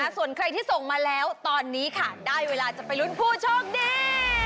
ส่วนใครที่ส่งมาแล้วตอนนี้ค่ะได้เวลาจะไปลุ้นผู้โชคดี